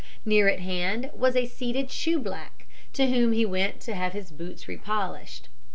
Near at hand was seated a shoeblack, to whom he went to have his boots repolished.